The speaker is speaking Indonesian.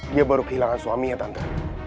dia baru kehilangan suaminya tante